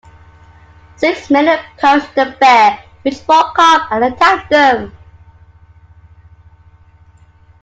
Six men approached the bear, which woke up and attacked them.